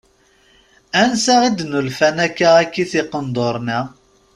Ansa i d-nulfan akka akkit iqenduṛen-a?